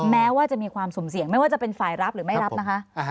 แม้ว่าจะมีความสุ่มเสี่ยงไม่ว่าจะเป็นฝ่ายรับหรือไม่รับนะคะ